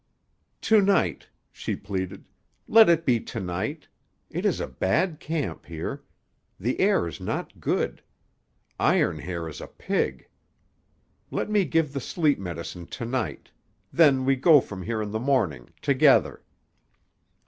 "To night," she pleaded. "Let it be to night. It is a bad camp here. The air is not good. Iron Hair is a pig. Let me give the sleep medicine to night; then we go from here in the morning—together."